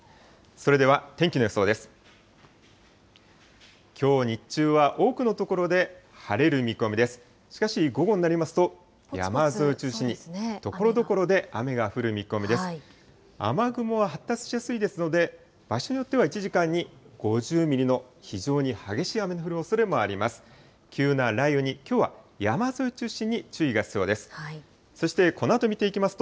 雨雲は発達しやすいですので、場所によっては１時間に５０ミリの非常に激しい雨の降るおそれもあります。